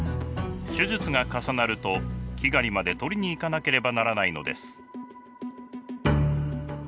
手術が重なるとキガリまで取りに行かなければならないのです。